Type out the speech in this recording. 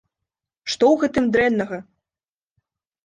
Што ў гэтым дрэннага?!